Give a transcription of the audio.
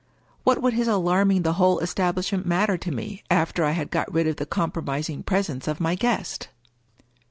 What would his alarming the whole establishment matter to me after I had got rid of the compromising presence of my guest?